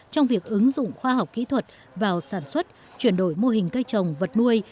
trong việc ứng dụng khoa học kỹ thuật vào sản xuất chuyển đổi mô hình cây trồng vật nuôi